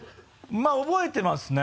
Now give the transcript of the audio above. まぁ覚えてますね。